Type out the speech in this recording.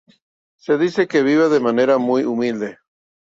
Se dice que vive de manera muy humilde.